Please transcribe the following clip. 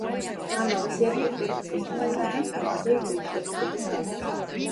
Kā no visa iepriekš uzrakstītā jau redzams, no Latvijas biju šķirts divus gadus.